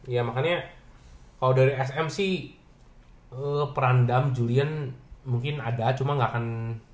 ya makanya kalo dari sm sih peran dham julian mungkin ada cuma gak akan